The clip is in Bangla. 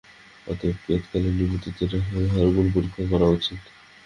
অতএব কিয়ৎ কালের নিমিত্তে রাখিয়া ইহার গুণ পরীক্ষা করা উচিত।